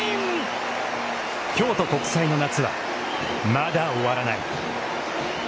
京都国際の夏はまだ終わらない。